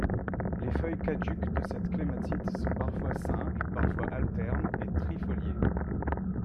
Les feuilles caduques de cette clématite sont parfois simples, parfois alternes et trifoliées.